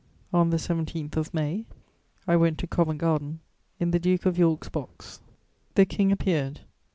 On the 17th of May, I went to Covent Garden, in the Duke of York's box. The King appeared.